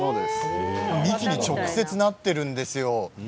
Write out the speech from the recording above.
幹に直接なっているんですよ。